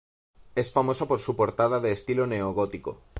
Es famosa por su portada de estilo neogótico.